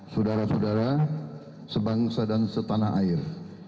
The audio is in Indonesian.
sudara sudara sebangsa dan setanah air